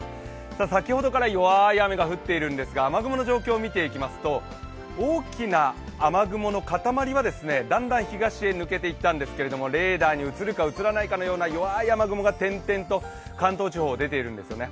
先ほどから弱い雨が降っているんですが、雨雲の状況を見ていきますと大きな雨雲の固まりはだんだん東へ抜けていったんですが、レーダーに映るか映らないかのような弱い雲が関東地方に出ているんですよね。